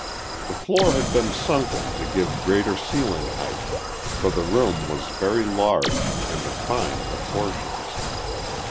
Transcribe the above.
The floor had been sunken to give greater ceiling height, for the room was very large, and of fine proportions.